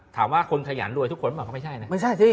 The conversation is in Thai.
ถามว่าคนขยันรวยทุกคนบอกว่าไม่ใช่นะ